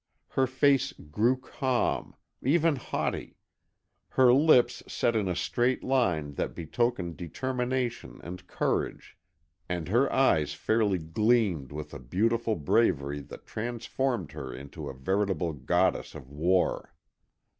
Her face grew calm, even haughty; her lips set in a straight line that betokened determination and courage; and her eyes fairly gleamed with a beautiful bravery that transformed her into a veritable goddess of war.